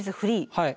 はい。